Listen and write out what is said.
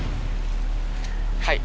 はい。